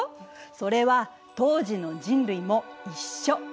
それは当時の人類も一緒。